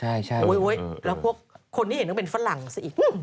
แล้วพวกคนนี้เห็นเป็นฝรั่งซะอีก